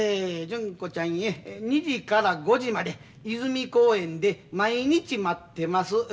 「純子ちゃんへ２時から５時までいずみ公園で毎日待ってます。